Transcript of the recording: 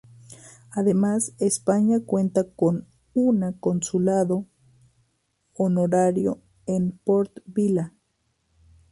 Además España cuenta con una Consulado Honorario en Port Vila.